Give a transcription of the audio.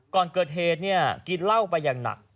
ก่อนเกิดเหตุเนี่ยกินเหล้าไปอย่างหนัก